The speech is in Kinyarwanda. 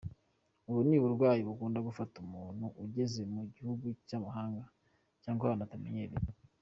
Ubu ni uburwayi bukunda gufata umuntu ugeze mu gihugu cy’amahanga cyangwa ahantu atamenyereye.